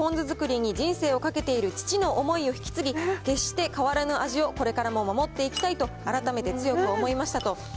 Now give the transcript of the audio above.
好きが高じてポン酢造りに人生をかけている父の思いを引き継ぎ、決して変わらぬ味をこれからも守っていきたいと、改めて強く思いましたと。